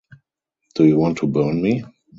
Do you want to burn me?